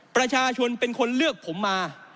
ประชาชนเป็นคนเลือกผมมา